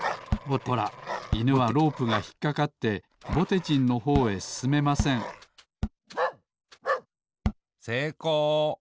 ほらいぬはロープがひっかかってぼてじんのほうへすすめませんせいこう。